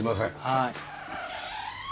はい。